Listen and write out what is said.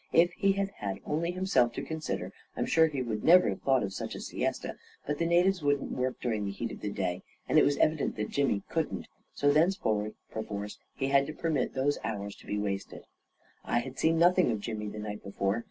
If he had had only himself to con sider, I am sure he would never have thought of such a siesta; but the natives wouldn't work during the heat of the day, and it was evident that Jimmy couldn't; so thenceforward, perforce, he had to per mit those hours to be wasted. I had seen nothing of Jimmy the night before.